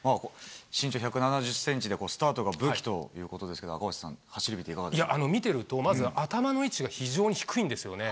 身長１７０センチで、スタートが武器ということですけど、赤星さ見てると、まず頭の位置が非常に低いんですよね。